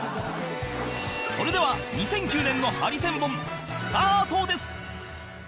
それでは２００９年のハリセンボンスタートです